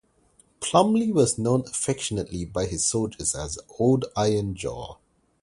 Plumley was known affectionately by his soldiers as "Old Iron Jaw".